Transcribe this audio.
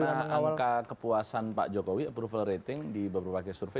karena angka kepuasan pak jokowi approval rating di beberapa survei